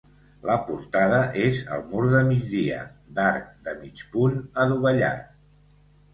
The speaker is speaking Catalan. La portada és al mur de migdia, d'arc de mig punt adovellat.